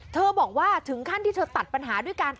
บอกว่าถึงขั้นที่เธอตัดปัญหาด้วยกัน